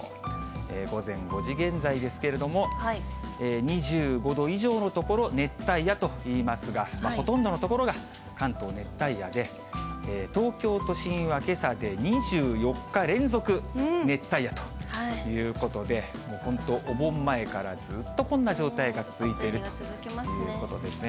午前５時現在ですけれども、２５度以上の所、熱帯夜といいますが、ほとんどの所が関東、熱帯夜で、東京都心はけさで２４日連続熱帯夜ということで、もう本当、お盆前からずっとこんな状態が続いているということですね。